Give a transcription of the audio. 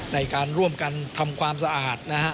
ในการร่วมกันทำความสะอาดนะฮะ